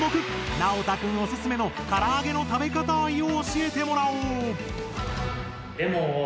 なおた君オススメのから揚げの食べかた愛を教えてもらおう！